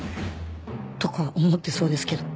とか思ってそうですけど